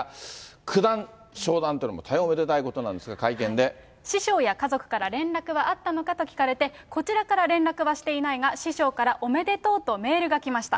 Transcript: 九段昇段というのも大変おめでた師匠や家族から連絡はあったのかと聞かれて、こちらから連絡はしていないが、師匠からおめでとうとメールが来ました。